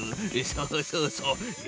そうそうそうよし。